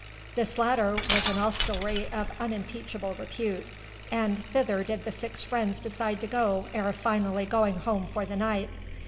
This latter was an hostelry of unimpeachable repute and thither did the six friends decide to go ere finally going home for the night.